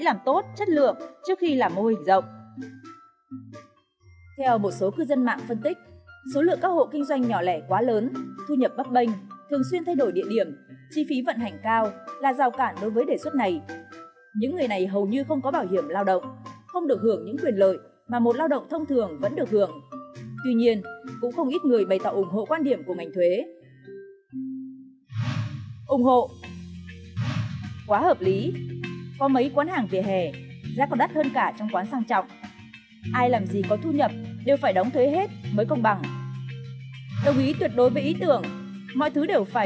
làm gì có thu nhập đều phải đóng thuế hết mới công bằng đồng ý tuyệt đối với ý tưởng mọi thứ đều phải